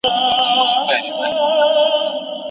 په لوېدیځو ولایتونو کې زعفران ډېر ښه حاصل ورکوي.